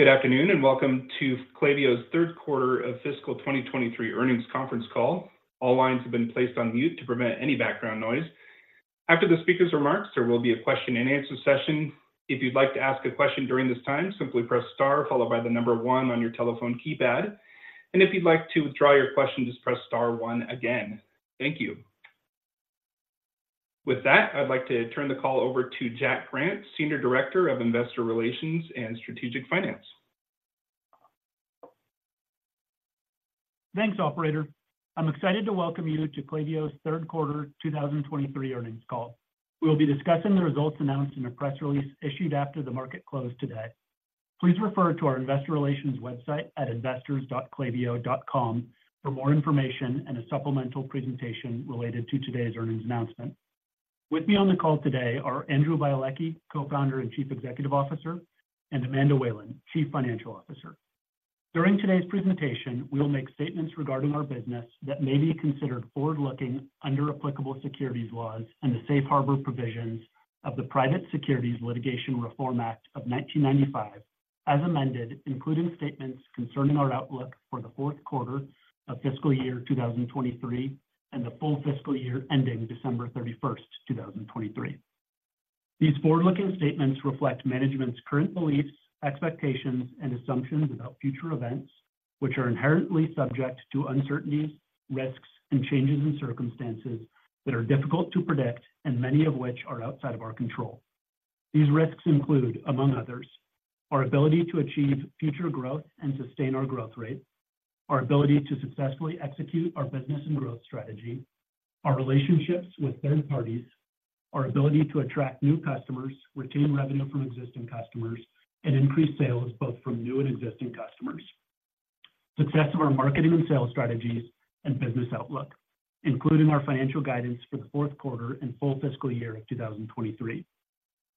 Good afternoon, and welcome to Klaviyo's Third Quarter of Fiscal 2023 Earnings Conference Call. All lines have been placed on mute to prevent any background noise. After the speaker's remarks, there will be a question and answer session. If you'd like to ask a question during this time, simply press star followed by the number one on your telephone keypad. And if you'd like to withdraw your question, just press star one again. Thank you. With that, I'd like to turn the call over to Jack Grant, Senior Director of Investor Relations and Strategic Finance. Thanks, operator. I'm excited to welcome you to Klaviyo's Third Quarter 2023 Earnings Call. We'll be discussing the results announced in a press release issued after the market closed today. Please refer to our investor relations website at investors.klaviyo.com for more information and a supplemental presentation related to today's earnings announcement. With me on the call today are Andrew Bialecki, Co-founder and Chief Executive Officer, and Amanda Whalen, Chief Financial Officer. During today's presentation, we'll make statements regarding our business that may be considered forward-looking under applicable securities laws and the safe harbor provisions of the Private Securities Litigation Reform Act of 1995, as amended, including statements concerning our outlook for the fourth quarter of fiscal year 2023, and the full fiscal year ending December 31, 2023. These forward-looking statements reflect management's current beliefs, expectations, and assumptions about future events, which are inherently subject to uncertainties, risks, and changes in circumstances that are difficult to predict, and many of which are outside of our control. These risks include, among others, our ability to achieve future growth and sustain our growth rate, our ability to successfully execute our business and growth strategy, our relationships with third parties, our ability to attract new customers, retain revenue from existing customers, and increase sales both from new and existing customers, success of our marketing and sales strategies and business outlook, including our financial guidance for the fourth quarter and full fiscal year of 2023.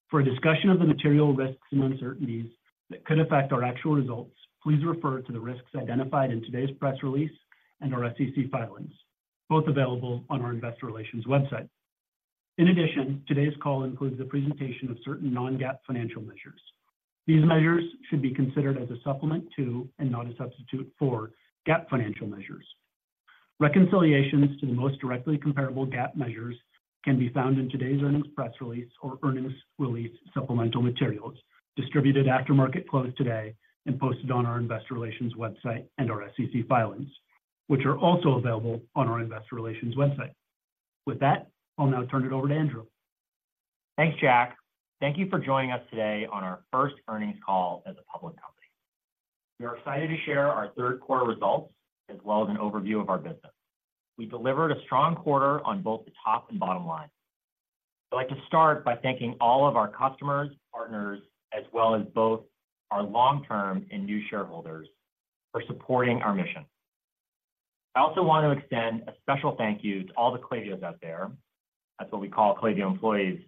For a discussion of the material risks and uncertainties that could affect our actual results, please refer to the risks identified in today's press release and our SEC filings, both available on our investor relations website. In addition, today's call includes a presentation of certain non-GAAP financial measures. These measures should be considered as a supplement to, and not a substitute for, GAAP financial measures. Reconciliations to the most directly comparable GAAP measures can be found in today's earnings press release or earnings release supplemental materials, distributed after market close today and posted on our investor relations website and our SEC filings, which are also available on our investor relations website. With that, I'll now turn it over to Andrew. Thanks, Jack. Thank you for joining us today on our first earnings call as a public company. We are excited to share our third quarter results, as well as an overview of our business. We delivered a strong quarter on both the top and bottom line. I'd like to start by thanking all of our customers, partners, as well as both our long-term and new shareholders for supporting our mission. I also want to extend a special thank you to all the Klaviyos out there, that's what we call Klaviyo employees,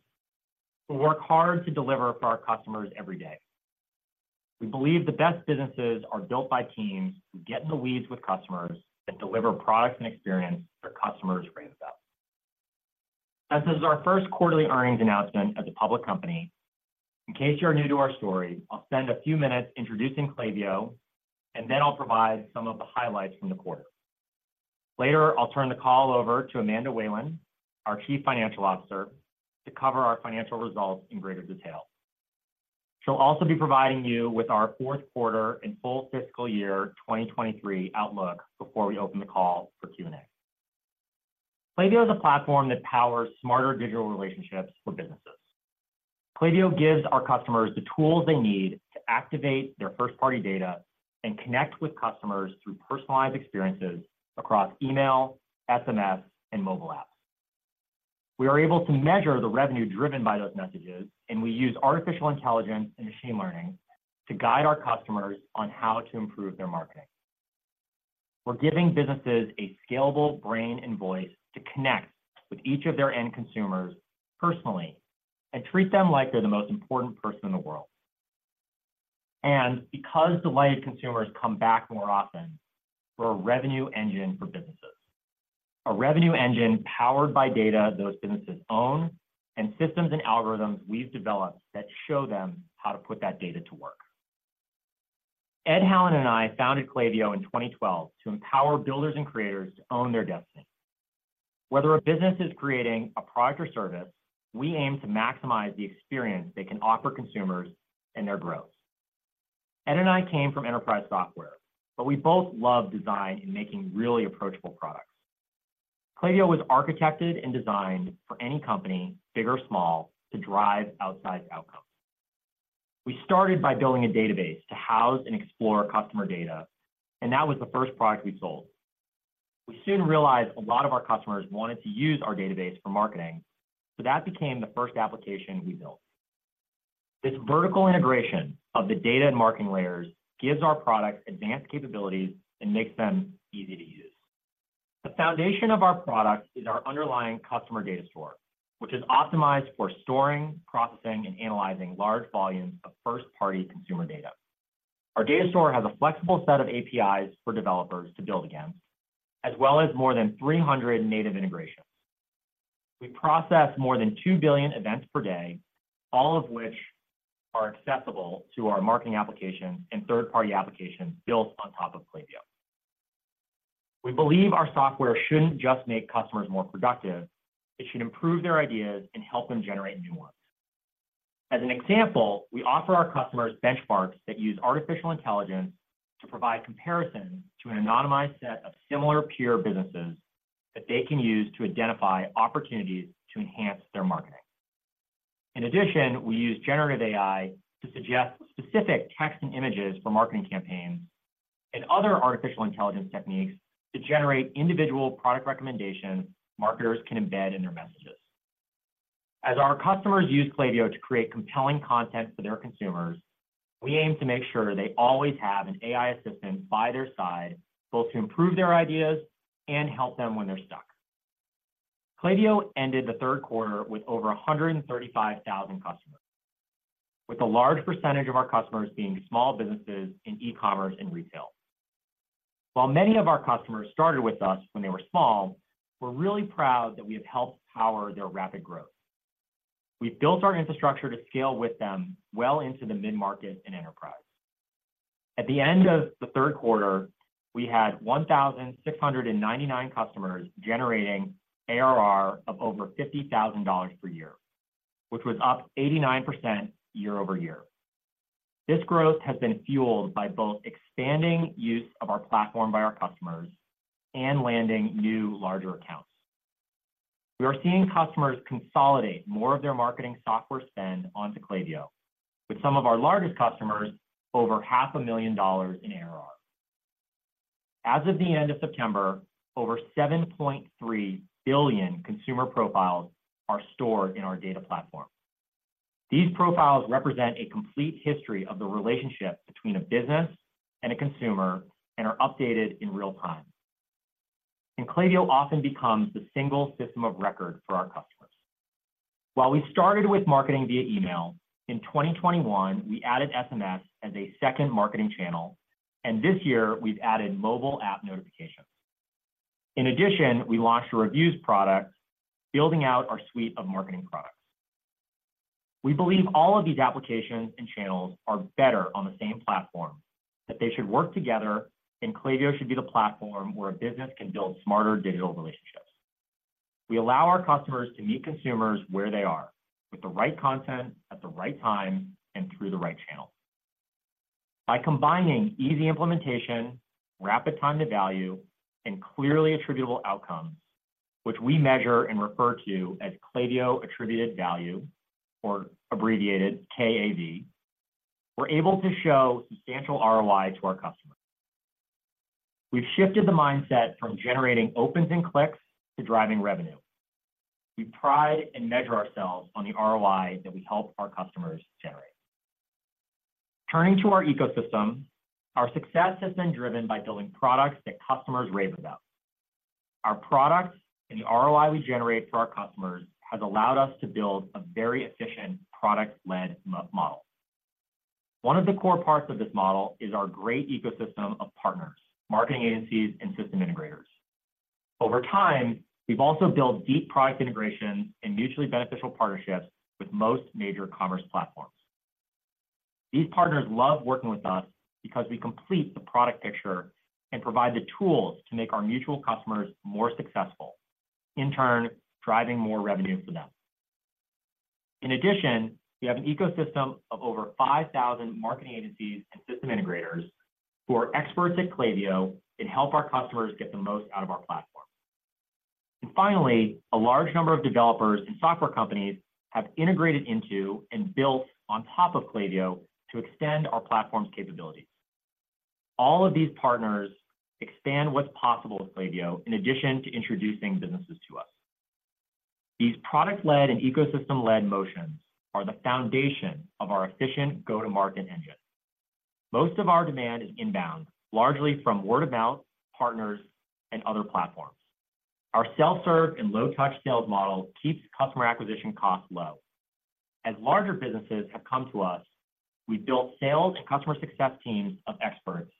who work hard to deliver for our customers every day. We believe the best businesses are built by teams who get in the weeds with customers and deliver products and experience their customers' dreams up. As this is our first quarterly earnings announcement as a public company, in case you are new to our story, I'll spend a few minutes introducing Klaviyo, and then I'll provide some of the highlights from the quarter. Later, I'll turn the call over to Amanda Whalen, our Chief Financial Officer, to cover our financial results in greater detail. She'll also be providing you with our fourth quarter and full fiscal year 2023 outlook before we open the call for Q&A. Klaviyo is a platform that powers smarter digital relationships for businesses. Klaviyo gives our customers the tools they need to activate their first-party data and connect with customers through personalized experiences across email, SMS, and mobile apps. We are able to measure the revenue driven by those messages, and we use artificial intelligence and machine learning to guide our customers on how to improve their marketing. We're giving businesses a scalable brain and voice to connect with each of their end consumers personally and treat them like they're the most important person in the world. And because delighted consumers come back more often, we're a revenue engine for businesses. A revenue engine powered by data those businesses own, and systems and algorithms we've developed that show them how to put that data to work. Ed Hallen and I founded Klaviyo in 2012 to empower builders and creators to own their destiny. Whether a business is creating a product or service, we aim to maximize the experience they can offer consumers and their growth. Ed and I came from enterprise software, but we both love design and making really approachable products. Klaviyo was architected and designed for any company, big or small, to drive outsized outcomes. We started by building a database to house and explore customer data, and that was the first product we sold. We soon realized a lot of our customers wanted to use our database for marketing, so that became the first application we built. This vertical integration of the data and marketing layers gives our product advanced capabilities and makes them easy to use. The foundation of our product is our underlying customer data store, which is optimized for storing, processing, and analyzing large volumes of first-party consumer data. Our data store has a flexible set of APIs for developers to build against, as well as more than 300 native integrations. We process more than two billion events per day, all of which are accessible to our marketing applications and third-party applications built on top of Klaviyo. We believe our software shouldn't just make customers more productive, it should improve their ideas and help them generate new ones. As an example, we offer our customers benchmarks that use artificial intelligence to provide comparison to an anonymized set of similar peer businesses that they can use to identify opportunities to enhance their marketing. In addition, we use generative AI to suggest specific text and images for marketing campaigns and other artificial intelligence techniques to generate individual product recommendations marketers can embed in their messages. As our customers use Klaviyo to create compelling content for their consumers, we aim to make sure they always have an AI assistant by their side, both to improve their ideas and help them when they're stuck. Klaviyo ended the third quarter with over 135,000 customers, with a large percentage of our customers being small businesses in e-commerce and retail. While many of our customers started with us when they were small, we're really proud that we have helped power their rapid growth. We've built our infrastructure to scale with them well into the mid-market and enterprise. At the end of the third quarter, we had 1,699 customers generating ARR of over $50,000 per year, which was up 89% year-over-year. This growth has been fueled by both expanding use of our platform by our customers and landing new, larger accounts. We are seeing customers consolidate more of their marketing software spend onto Klaviyo, with some of our largest customers over $500,000 in ARR. As of the end of September, over 7.3 billion consumer profiles are stored in our data platform. These profiles represent a complete history of the relationship between a business and a consumer and are updated in real time. Klaviyo often becomes the single system of record for our customers. While we started with marketing via email, in 2021, we added SMS as a second marketing channel, and this year we've added mobile app notifications. In addition, we launched a reviews product, building out our suite of marketing products. We believe all of these applications and channels are better on the same platform, that they should work together, and Klaviyo should be the platform where a business can build smarter digital relationships. We allow our customers to meet consumers where they are, with the right content, at the right time, and through the right channel. By combining easy implementation, rapid time to value, and clearly attributable outcomes, which we measure and refer to as Klaviyo Attributed Value, or abbreviated KAV, we're able to show substantial ROI to our customers. We've shifted the mindset from generating opens and clicks to driving revenue. We pride and measure ourselves on the ROI that we help our customers generate. Turning to our ecosystem, our success has been driven by building products that customers rave about. Our products and the ROI we generate for our customers has allowed us to build a very efficient product-led model. One of the core parts of this model is our great ecosystem of partners, marketing agencies, and system integrators. Over time, we've also built deep product integration and mutually beneficial partnerships with most major commerce platforms. These partners love working with us because we complete the product picture and provide the tools to make our mutual customers more successful, in turn, driving more revenue for them. In addition, we have an ecosystem of over 5,000 marketing agencies and system integrators who are experts at Klaviyo and help our customers get the most out of our platform. And finally, a large number of developers and software companies have integrated into and built on top of Klaviyo to extend our platform's capabilities. All of these partners expand what's possible with Klaviyo, in addition to introducing businesses to us. These product-led and ecosystem-led motions are the foundation of our efficient go-to-market engine. Most of our demand is inbound, largely from word of mouth, partners, and other platforms. Our self-serve and low-touch sales model keeps customer acquisition costs low. As larger businesses have come to us, we've built sales and customer success teams of experts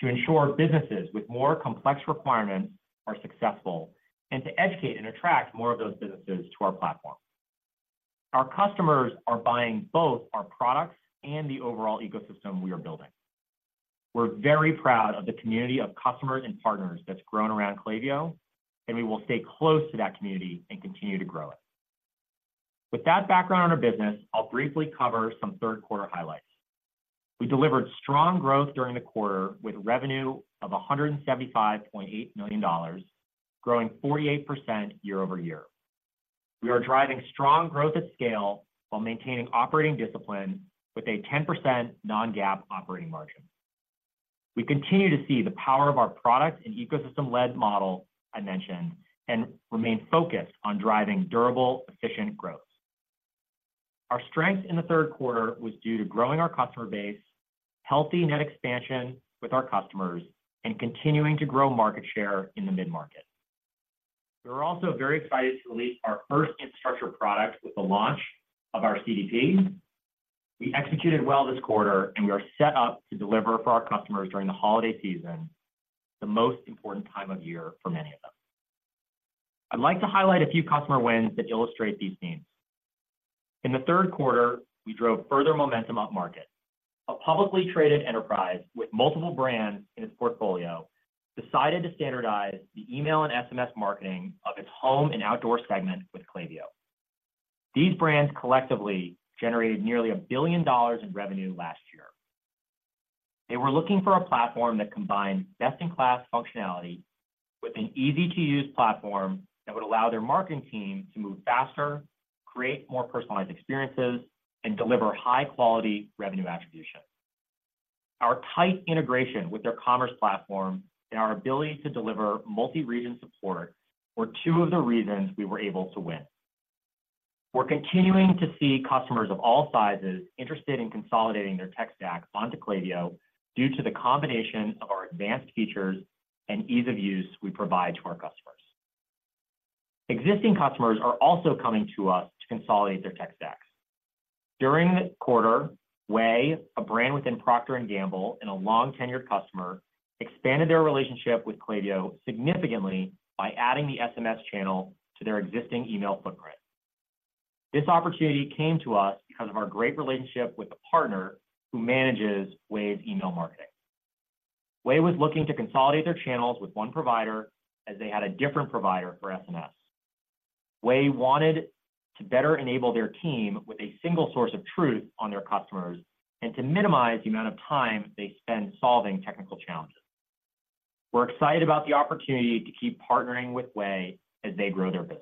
to ensure businesses with more complex requirements are successful and to educate and attract more of those businesses to our platform. Our customers are buying both our products and the overall ecosystem we are building. We're very proud of the community of customers and partners that's grown around Klaviyo, and we will stay close to that community and continue to grow it. With that background on our business, I'll briefly cover some third quarter highlights. We delivered strong growth during the quarter with revenue of $175.8 million, growing 48% year-over-year. We are driving strong growth at scale while maintaining operating discipline with a 10% non-GAAP operating margin. We continue to see the power of our product and ecosystem-led model I mentioned, and remain focused on driving durable, efficient growth. Our strength in the third quarter was due to growing our customer base, healthy net expansion with our customers, and continuing to grow market share in the mid-market. We are also very excited to release our first infrastructure product with the launch of our CDP. We executed well this quarter, and we are set up to deliver for our customers during the holiday season, the most important time of year for many of them. I'd like to highlight a few customer wins that illustrate these themes. In the third quarter, we drove further momentum upmarket. A publicly traded enterprise with multiple brands in its portfolio decided to standardize the email and SMS marketing of its home and outdoor segment with Klaviyo. These brands collectively generated nearly $1 billion in revenue last year. They were looking for a platform that combined best-in-class functionality with an easy-to-use platform that would allow their marketing team to move faster, create more personalized experiences, and deliver high-quality revenue attribution. Our tight integration with their commerce platform and our ability to deliver multi-region support were two of the reasons we were able to win. We're continuing to see customers of all sizes interested in consolidating their tech stacks onto Klaviyo, due to the combination of our advanced features and ease of use we provide to our customers. Existing customers are also coming to us to consolidate their tech stacks. During the quarter, Ouai, a brand within Procter & Gamble and a long-tenured customer, expanded their relationship with Klaviyo significantly by adding the SMS channel to their existing email footprint. This opportunity came to us because of our great relationship with the partner who manages [wave] email marketing. Ouai was looking to consolidate their channels with one provider, as they had a different provider for SMS. Ouai wanted to better enable their team with a single source of truth on their customers and to minimize the amount of time they spend solving technical challenges. We're excited about the opportunity to keep partnering with Ouai as they grow their business.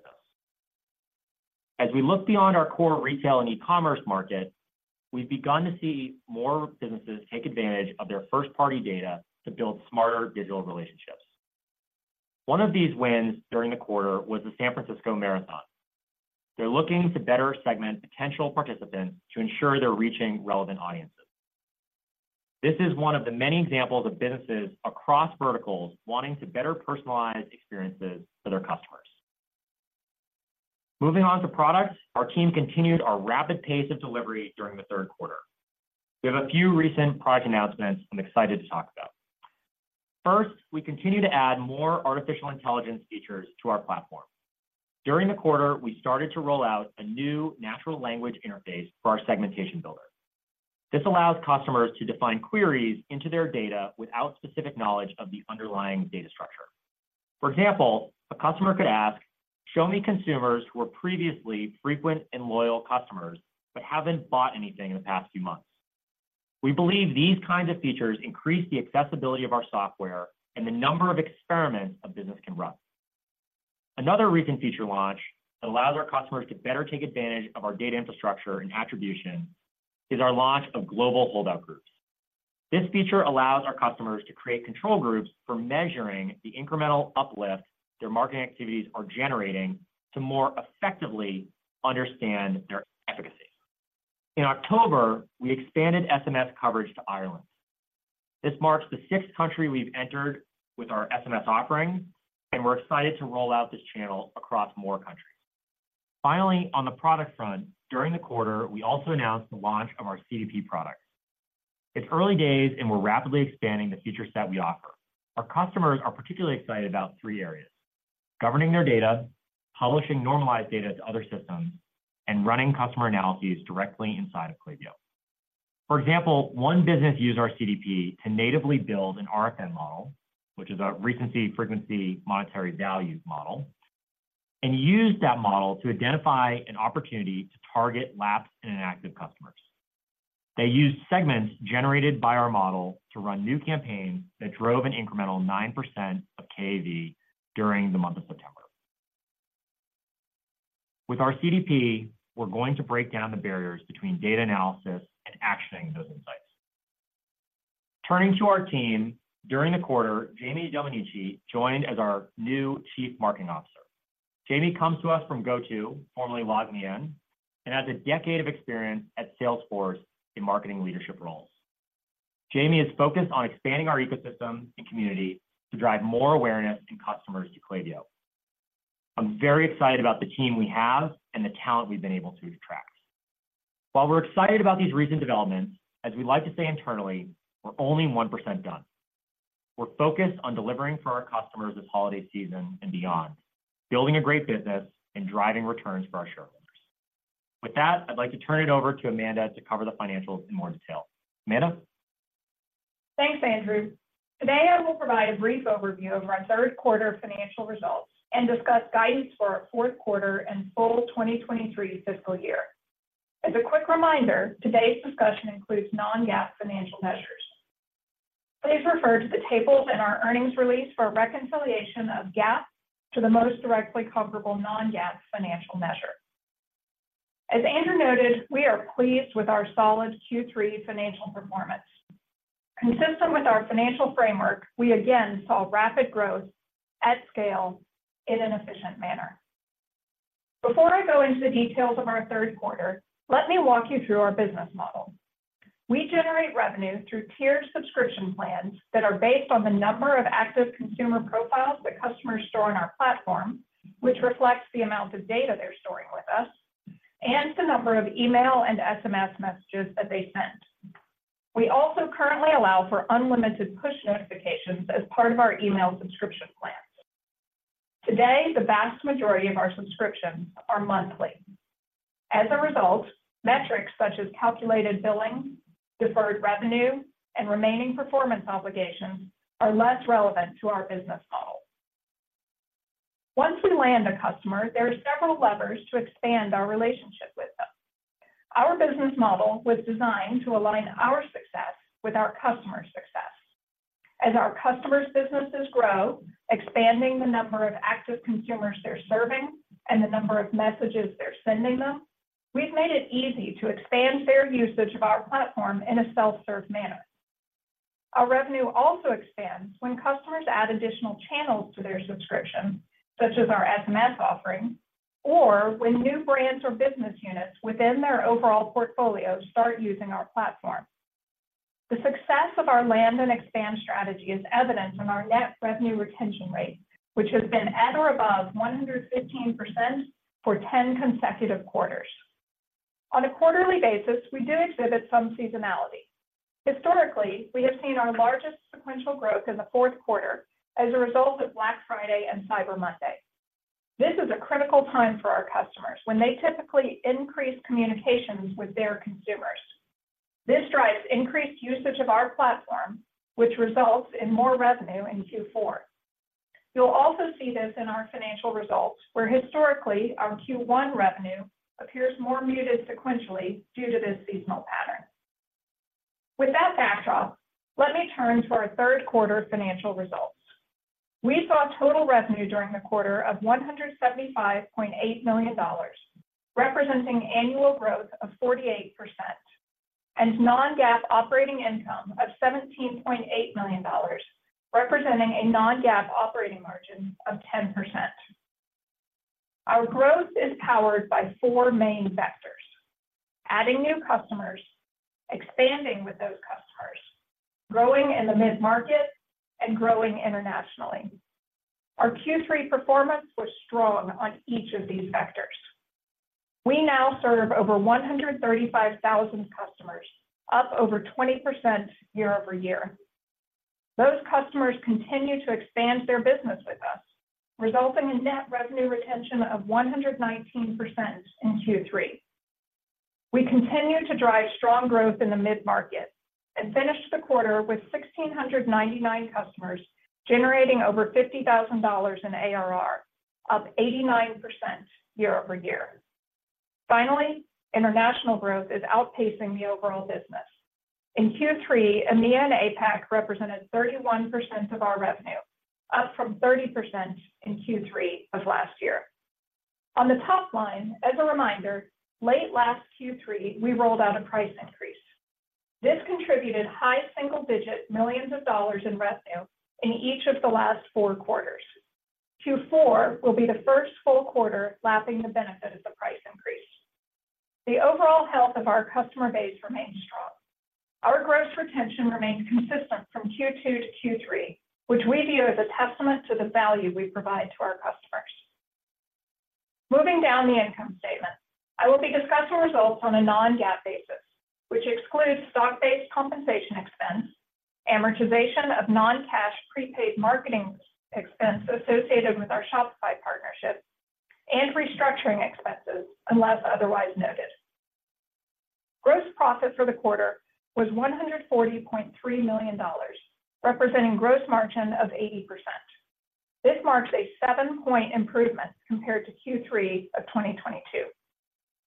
As we look beyond our core retail and e-commerce market, we've begun to see more businesses take advantage of their first-party data to build smarter digital relationships. One of these wins during the quarter was the San Francisco Marathon. They're looking to better segment potential participants to ensure they're reaching relevant audiences. This is one of the many examples of businesses across verticals wanting to better personalize experiences for their customers. Moving on to products, our team continued our rapid pace of delivery during the third quarter. We have a few recent product announcements I'm excited to talk about. First, we continue to add more artificial intelligence features to our platform. During the quarter, we started to roll out a new natural language interface for our segmentation builder. This allows customers to define queries into their data without specific knowledge of the underlying data structure. For example, a customer could ask, "Show me consumers who were previously frequent and loyal customers, but haven't bought anything in the past few months." We believe these kinds of features increase the accessibility of our software and the number of experiments a business can run. Another recent feature launch that allows our customers to better take advantage of our data infrastructure and attribution is our launch of global holdout groups. This feature allows our customers to create control groups for measuring the incremental uplift their marketing activities are generating, to more effectively understand their efficacy. In October, we expanded SMS coverage to Ireland. This marks the sixth country we've entered with our SMS offering, and we're excited to roll out this channel across more countries. Finally, on the product front, during the quarter, we also announced the launch of our CDP product. It's early days, and we're rapidly expanding the feature set we offer. Our customers are particularly excited about three areas: governing their data, publishing normalized data to other systems, and running customer analyses directly inside of Klaviyo. For example, one business used our CDP to natively build an RFM model, which is a recency, frequency, monetary value model, and used that model to identify an opportunity to target lapsed and inactive customers. They used segments generated by our model to run new campaigns that drove an incremental 9% of KAV during the month of September. With our CDP, we're going to break down the barriers between data analysis and actioning those insights. Turning to our team, during the quarter, Jamie Domenici joined as our new Chief Marketing Officer. Jamie comes to us from GoTo, formerly LogMeIn, and has a decade of experience at Salesforce in marketing leadership roles. Jamie is focused on expanding our ecosystem and community to drive more awareness and customers to Klaviyo. I'm very excited about the team we have and the talent we've been able to attract. While we're excited about these recent developments, as we like to say internally, we're only 1% done. We're focused on delivering for our customers this holiday season and beyond, building a great business and driving returns for our shareholders. With that, I'd like to turn it over to Amanda to cover the financials in more detail. Amanda? Thanks, Andrew. Today, I will provide a brief overview of our third quarter financial results and discuss guidance for our fourth quarter and full 2023 fiscal year. As a quick reminder, today's discussion includes non-GAAP financial measures. Please refer to the tables in our earnings release for a reconciliation of GAAP to the most directly comparable non-GAAP financial measure. As Andrew noted, we are pleased with our solid Q3 financial performance. Consistent with our financial framework, we again saw rapid growth at scale in an efficient manner. Before I go into the details of our third quarter, let me walk you through our business model. We generate revenue through tiered subscription plans that are based on the number of active consumer profiles that customers store on our platform, which reflects the amount of data they're storing with us, and the number of email and SMS messages that they send. We also currently allow for unlimited push notifications as part of our email subscription plans. Today, the vast majority of our subscriptions are monthly. As a result, metrics such as calculated billing, deferred revenue, and remaining performance obligations are less relevant to our business model. Once we land a customer, there are several levers to expand our relationship with them. Our business model was designed to align our success with our customers' success. As our customers' businesses grow, expanding the number of active consumers they're serving and the number of messages they're sending them, we've made it easy to expand their usage of our platform in a self-serve manner. Our revenue also expands when customers add additional channels to their subscription, such as our SMS offering, or when new brands or business units within their overall portfolio start using our platform. The success of our land and expand strategy is evident in our net revenue retention rate, which has been at or above 115% for 10 consecutive quarters. On a quarterly basis, we do exhibit some seasonality. Historically, we have seen our largest sequential growth in the fourth quarter as a result of Black Friday and Cyber Monday. This is a critical time for our customers when they typically increase communications with their consumers. This drives increased usage of our platform, which results in more revenue in Q4. You'll also see this in our financial results, where historically, our Q1 revenue appears more muted sequentially due to this seasonal pattern. With that backdrop, let me turn to our third quarter financial results. We saw total revenue during the quarter of $175.8 million, representing annual growth of 48%, and non-GAAP operating income of $17.8 million, representing a non-GAAP operating margin of 10%. Our growth is powered by four main factors: adding new customers, expanding with those customers, growing in the mid-market, and growing internationally. Our Q3 performance was strong on each of these vectors. We now serve over 135,000 customers, up over 20% year-over-year. Those customers continue to expand their business with us, resulting in net revenue retention of 119% in Q3. We continue to drive strong growth in the mid-market and finished the quarter with 1,699 customers, generating over $50,000 in ARR, up 89% year-over-year. Finally, international growth is outpacing the overall business. In Q3, EMEA and APAC represented 31% of our revenue, up from 30% in Q3 of last year. On the top line, as a reminder, late last Q3, we rolled out a price increase. This contributed high single-digit millions of dollars in revenue in each of the last four quarters. Q4 will be the first full quarter lapping the benefit of the price increase. The overall health of our customer base remains strong. Our gross retention remained consistent from Q2 to Q3, which we view as a testament to the value we provide to our customers. Moving down the income statement, I will be discussing results on a non-GAAP basis, which excludes stock-based compensation expense, amortization of non-cash prepaid marketing expense associated with our Shopify partnership, and restructuring expenses, unless otherwise noted. Gross profit for the quarter was $140.3 million, representing gross margin of 80%. This marks a 7-point improvement compared to Q3 of 2022.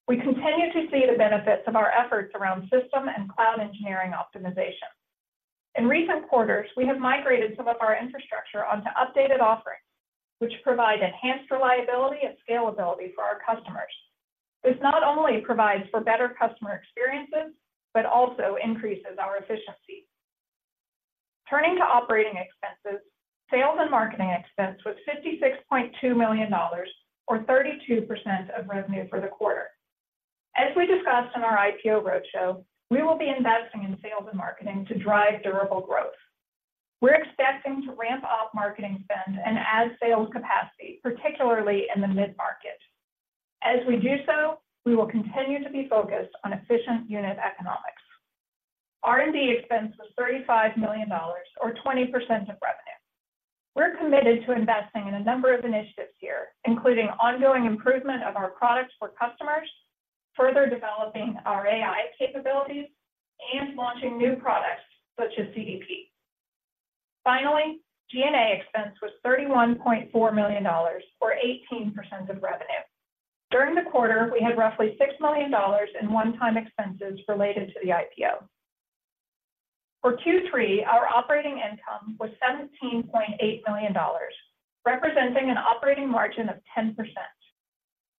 We continue to see the benefits of our efforts around system and cloud engineering optimization. In recent quarters, we have migrated some of our infrastructure onto updated offerings, which provide enhanced reliability and scalability for our customers. This not only provides for better customer experiences, but also increases our efficiency. Turning to operating expenses, sales and marketing expense was $56.2 million, or 32% of revenue for the quarter. As we discussed in our IPO roadshow, we will be investing in sales and marketing to drive durable growth. We're expecting to ramp up marketing spend and add sales capacity, particularly in the mid-market. As we do so, we will continue to be focused on efficient unit economics. R&D expense was $35 million, or 20% of revenue. We're committed to investing in a number of initiatives here, including ongoing improvement of our products for customers, further developing our AI capabilities, and launching new products such as CDP. Finally, G&A expense was $31.4 million, or 18% of revenue. During the quarter, we had roughly $6 million in one-time expenses related to the IPO. For Q3, our operating income was $17.8 million, representing an operating margin of 10%.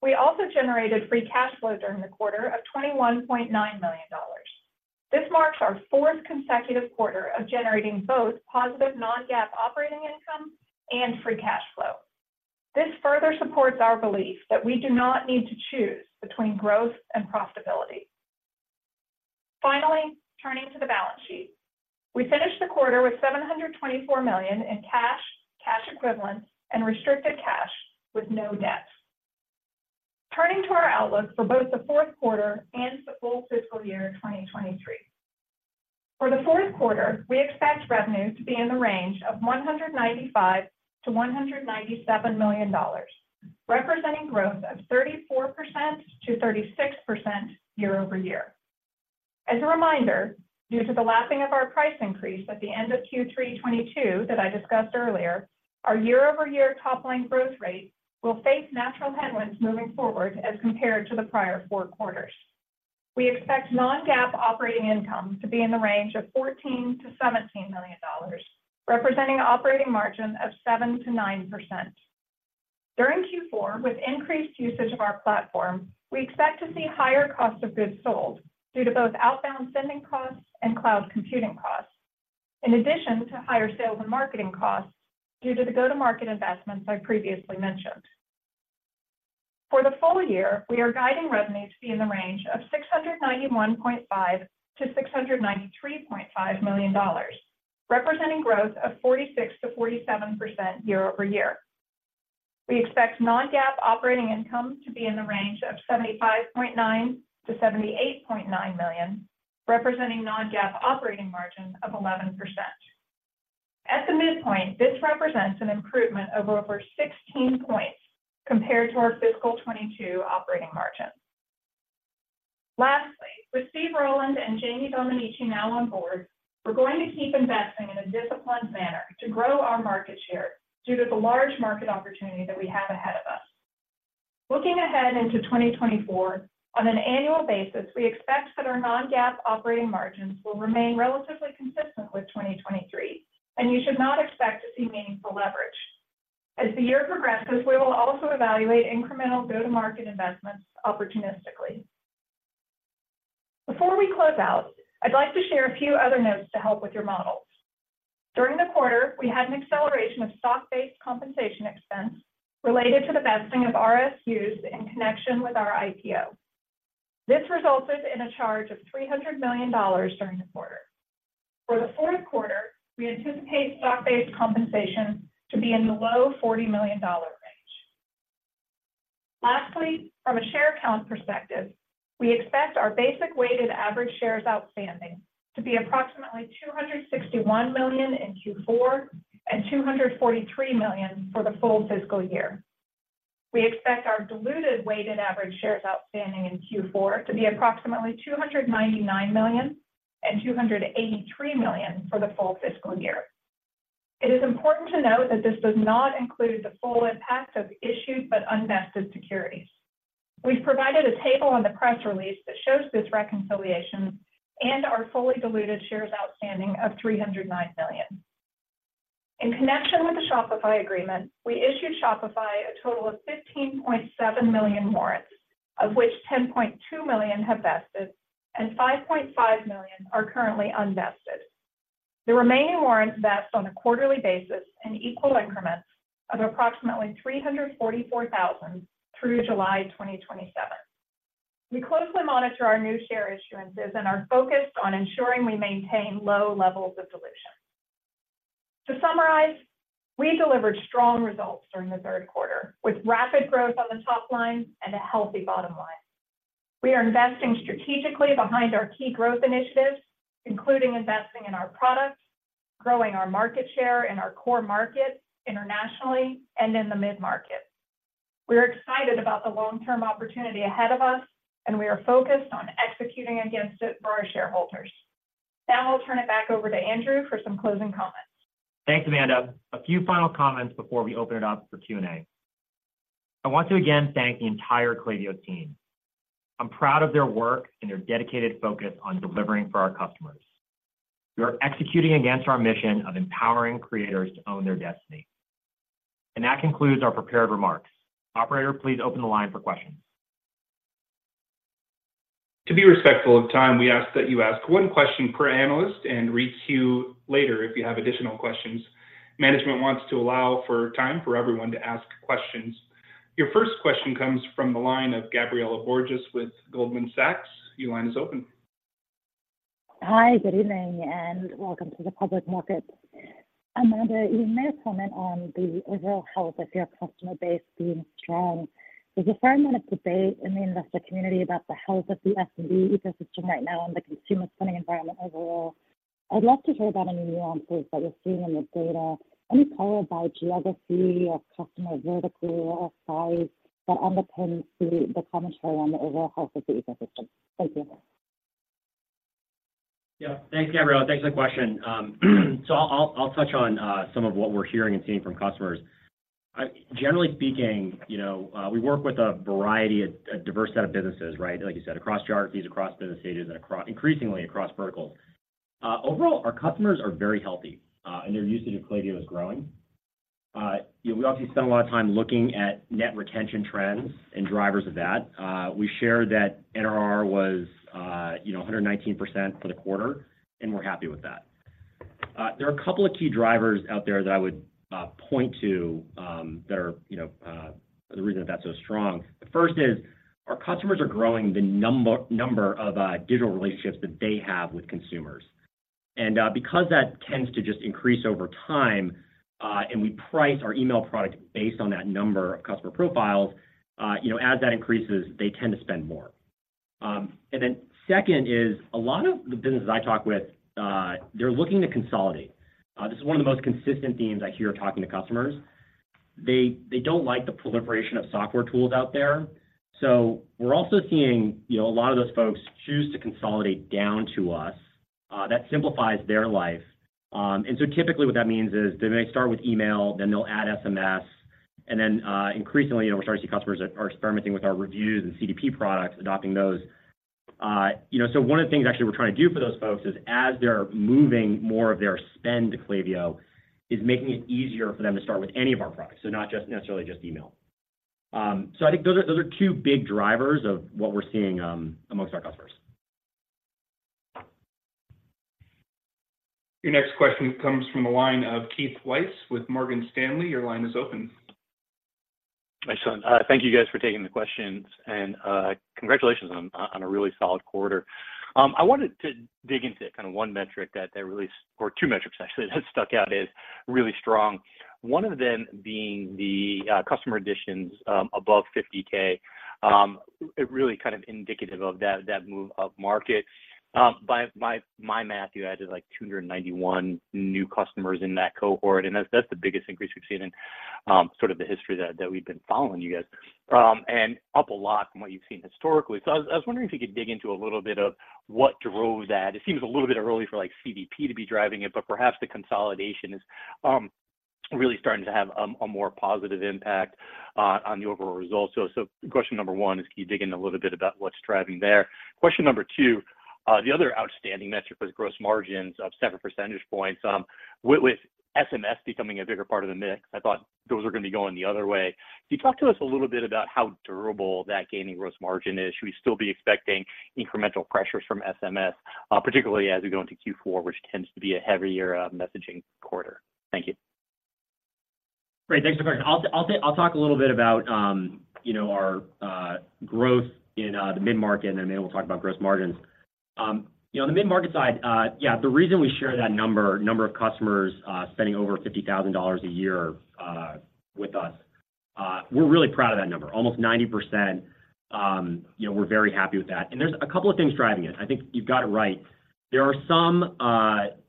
We also generated free cash flow during the quarter of $21.9 million. This marks our fourth consecutive quarter of generating both positive non-GAAP operating income and free cash flow. This further supports our belief that we do not need to choose between growth and profitability. Finally, turning to the balance sheet. We finished the quarter with $724 million in cash, cash equivalents, and restricted cash, with no debt. Turning to our outlook for both the fourth quarter and the full fiscal year 2023. For the fourth quarter, we expect revenue to be in the range of $195 million-$197 million, representing growth of 34%-36% year-over-year. As a reminder, due to the lapping of our price increase at the end of Q3 2022, that I discussed earlier, our year-over-year top-line growth rate will face natural headwinds moving forward as compared to the prior four quarters. We expect non-GAAP operating income to be in the range of $14 million-$17 million, representing operating margin of 7%-9%. During Q4, with increased usage of our platform, we expect to see higher cost of goods sold due to both outbound spending costs and cloud computing costs, in addition to higher sales and marketing costs due to the go-to-market investments I previously mentioned. For the full year, we are guiding revenue to be in the range of $691.5 million-$693.5 million, representing growth of 46%-47% year-over-year. We expect non-GAAP operating income to be in the range of $75.9 million-$78.9 million, representing non-GAAP operating margin of 11%. At the midpoint, this represents an improvement of over 16 points compared to our fiscal 2022 operating margin. Lastly, with Steve Rowland and Jamie Domenici now on board, we're going to keep investing in a disciplined manner to grow our market share due to the large market opportunity that we have ahead of us. Looking ahead into 2024, on an annual basis, we expect that our non-GAAP operating margins will remain relatively consistent with 2023, and you should not expect to see meaningful leverage. As the year progresses, we will also evaluate incremental go-to-market investments opportunistically. Before we close out, I'd like to share a few other notes to help with your models. During the quarter, we had an acceleration of stock-based compensation expense related to the vesting of RSUs in connection with our IPO. This resulted in a charge of $300 million during the quarter. For the fourth quarter, we anticipate stock-based compensation to be in the low $40 million range. Lastly, from a share count perspective, we expect our basic weighted average shares outstanding to be approximately 261 million in Q4, and 243 million for the full fiscal year. We expect our diluted weighted average shares outstanding in Q4 to be approximately 299 million, and 283 million for the full fiscal year. It is important to note that this does not include the full impact of issued but unvested securities. We've provided a table in the press release that shows this reconciliation and our fully diluted shares outstanding of 309 million. In connection with the Shopify agreement, we issued Shopify a total of 15.7 million warrants, of which 10.2 million have vested and 5.5 million are currently unvested. The remaining warrants vest on a quarterly basis in equal increments of approximately 344,000 through July 2027. We closely monitor our new share issuances and are focused on ensuring we maintain low levels of dilution. To summarize, we delivered strong results during the third quarter, with rapid growth on the top line and a healthy bottom line. We are investing strategically behind our key growth initiatives, including investing in our products, growing our market share in our core markets internationally and in the mid-market. We are excited about the long-term opportunity ahead of us, and we are focused on executing against it for our shareholders. Now I'll turn it back over to Andrew for some closing comments. Thanks, Amanda. A few final comments before we open it up for Q&A. I want to again thank the entire Klaviyo team. I'm proud of their work and their dedicated focus on delivering for our customers. We are executing against our mission of empowering creators to own their destiny. That concludes our prepared remarks. Operator, please open the line for questions. To be respectful of time, we ask that you ask one question per analyst and re-queue later if you have additional questions. Management wants to allow for time for everyone to ask questions. Your first question comes from the line of Gabriela Borges with Goldman Sachs. Your line is open. Hi, good evening, and welcome to the public market. Amanda, you may have comment on the overall health of your customer base being strong. There's a fair amount of debate in the investor community about the health of the SMB ecosystem right now and the consumer spending environment overall. I'd love to hear about any nuances that you're seeing in the data, any color by geography or customer vertical or size that underpins the commentary on the overall health of the ecosystem. Thank you. Yeah. Thanks, Gabriela. Thanks for the question. So I'll touch on some of what we're hearing and seeing from customers. Generally speaking, you know, we work with a variety of a diverse set of businesses, right? Like you said, across geographies, across business stages, and across increasingly across verticals. Overall, our customers are very healthy, and their usage of Klaviyo is growing. You know, we obviously spend a lot of time looking at net retention trends and drivers of that. We shared that NRR was, you know, 119% for the quarter, and we're happy with that. There are a couple of key drivers out there that I would point to, that are, you know, the reason that's so strong. The first is, our customers are growing the number of digital relationships that they have with consumers. And because that tends to just increase over time, and we price our email product based on that number of customer profiles, you know, as that increases, they tend to spend more. And then second is, a lot of the businesses I talk with, they're looking to consolidate. This is one of the most consistent themes I hear talking to customers. They don't like the proliferation of software tools out there. So we're also seeing, you know, a lot of those folks choose to consolidate down to us. That simplifies their life. And so typically what that means is, they may start with email, then they'll add SMS, and then, increasingly, you know, we're starting to see customers that are experimenting with our reviews and CDP products, adopting those. You know, so one of the things actually we're trying to do for those folks is, as they're moving more of their spend to Klaviyo, is making it easier for them to start with any of our products, so not just necessarily just email. So I think those are, those are two big drivers of what we're seeing, amongst our customers. Your next question comes from the line of Keith Weiss with Morgan Stanley. Your line is open. [My sound] Thank you guys, for taking the questions, and congratulations on a really solid quarter. I wanted to dig into kind of one metric that I really-or two metrics, actually, that stuck out as really strong. One of them being the customer additions above 50K. It really kind of indicative of that move upmarket. By my math, you added, like, 291 new customers in that cohort, and that's the biggest increase we've seen in sort of the history that we've been following you guys. And up a lot from what you've seen historically. So, I was wondering if you could dig into a little bit of what drove that. It seems a little bit early for, like, CDP to be driving it, but perhaps the consolidation is really starting to have a more positive impact on the overall results. So, question number one is, can you dig in a little bit about what's driving there? Question number two, the other outstanding metric was gross margins of several percentage points. With SMS becoming a bigger part of the mix, I thought those were gonna be going the other way. Can you talk to us a little bit about how durable that gaining gross margin is? Should we still be expecting incremental pressures from SMS, particularly as we go into Q4, which tends to be a heavier messaging quarter? Thank you. Great. Thanks for the question. I'll talk a little bit about, you know, our growth in the mid-market, and then we'll talk about gross margins. You know, on the mid-market side, yeah, the reason we share that number, number of customers spending over $50,000 a year with us, we're really proud of that number, almost 90%. You know, we're very happy with that, and there's a couple of things driving it. I think you've got it right. There are some,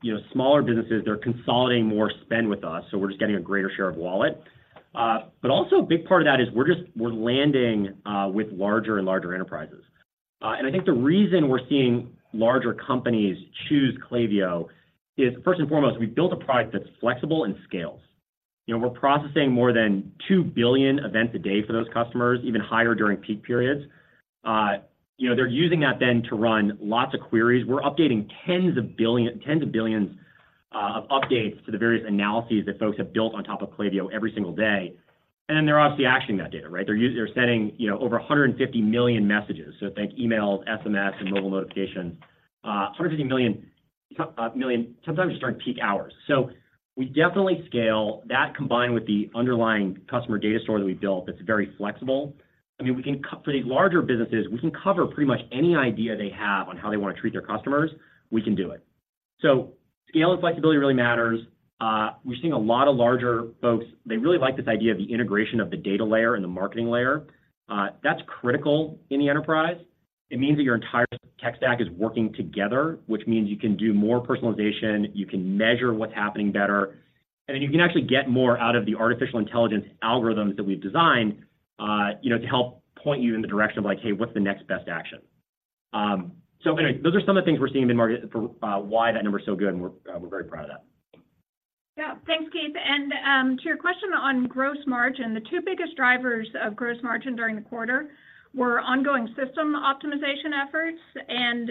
you know, smaller businesses that are consolidating more spend with us, so we're just getting a greater share of wallet. But also, a big part of that is we're just landing with larger and larger enterprises. And I think the reason we're seeing larger companies choose Klaviyo is, first and foremost, we've built a product that's flexible and scales. You know, we're processing more than two billion events a day for those customers, even higher during peak periods. You know, they're using that then to run lots of queries. We're updating tens of billion, tens of billions, of updates to the various analyses that folks have built on top of Klaviyo every single day, and then they're obviously actioning that data, right? They're sending, you know, over 150 million messages. So, think emails, SMS, and mobile notifications, 150 million, million, sometimes during peak hours. So, we definitely scale. That, combined with the underlying customer data store that we built, that's very flexible. I mean, for these larger businesses, we can cover pretty much any idea they have on how they want to treat their customers, we can do it. So, scale and flexibility really matters. We're seeing a lot of larger folks, they really like this idea of the integration of the data layer and the marketing layer. That's critical in the enterprise. It means that your entire tech stack is working together, which means you can do more personalization, you can measure what's happening better, and then you can actually get more out of the artificial intelligence algorithms that we've designed, you know, to help point you in the direction of like, "Hey, what's the next best action?" So anyway, those are some of the things we're seeing in the market for why that number is so good, and we're, we're very proud of that. Yeah. Thanks, Keith. And, to your question on gross margin, the two biggest drivers of gross margin during the quarter were ongoing system optimization efforts and,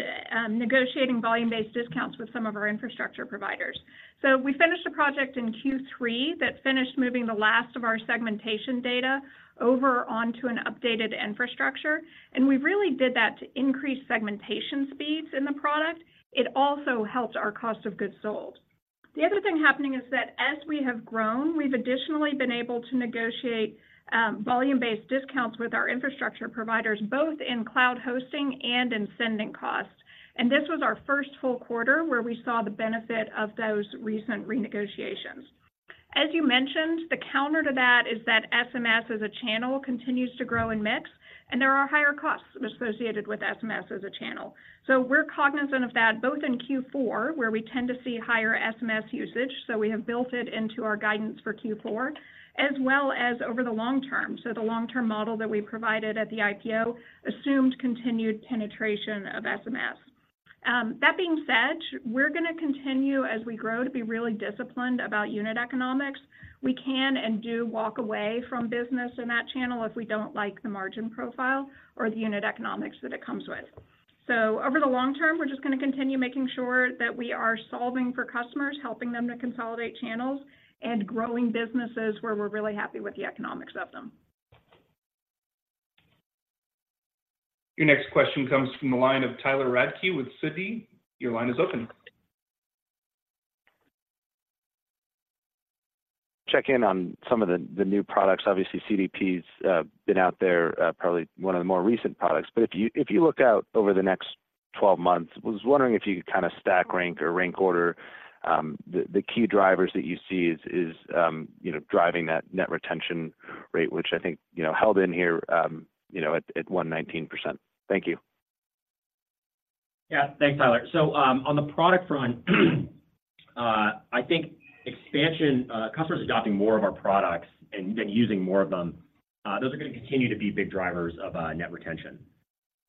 negotiating volume-based discounts with some of our infrastructure providers. So, we finished a project in Q3 that finished moving the last of our segmentation data over onto an updated infrastructure, and we really did that to increase segmentation speeds in the product. It also helped our cost of goods sold. The other thing happening is that as we have grown, we've additionally been able to negotiate, volume-based discounts with our infrastructure providers, both in cloud hosting and in sending costs. And this was our first full quarter where we saw the benefit of those recent renegotiations. As you mentioned, the counter to that is that SMS as a channel continues to grow in mix, and there are higher costs associated with SMS as a channel. So we're cognizant of that, both in Q4, where we tend to see higher SMS usage, so we have built it into our guidance for Q4, as well as over the long term. So the long-term model that we provided at the IPO assumed continued penetration of SMS. That being said, we're gonna continue, as we grow, to be really disciplined about unit economics. We can and do walk away from business in that channel if we don't like the margin profile or the unit economics that it comes with. Over the long term, we're just gonna continue making sure that we are solving for customers, helping them to consolidate channels, and growing businesses where we're really happy with the economics of them. Your next question comes from the line of Tyler Radke with Citi. Your line is open. Check in on some of the new products. Obviously, CDP's been out there, probably one of the more recent products. But if you look out over the next 12 months, I was wondering if you could kind of stack rank or rank order the key drivers that you see is driving that net retention rate, which I think, you know, held in here, you know, at 119%. Thank you. Yeah. Thanks, Tyler. So, on the product front, I think expansion, customers adopting more of our products and using more of them, those are going to continue to be big drivers of net retention.